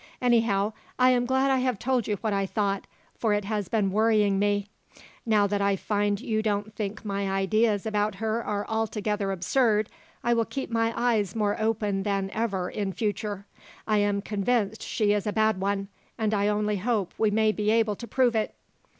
Anyhow, I am glad I have told you what I thought, for it has been worrying me. Now that I find you don't think my ideas about her are altogether absurd, I will keep my eyes more open than ever in future. I am convinced she is a bad one, and I only hope we may be able to prove it."